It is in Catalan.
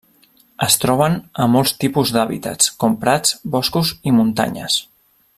Es troben a molts tipus d'hàbitats, com prats, boscos i muntanyes.